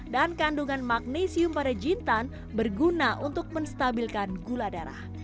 dan kandungan magnesium pada jintan berguna untuk menstabilkan gula darah